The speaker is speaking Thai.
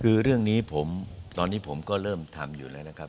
คือเรื่องนี้ผมตอนนี้ผมก็เริ่มทำอยู่แล้วนะครับ